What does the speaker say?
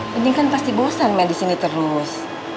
penting kan pasti bosan main di sini terus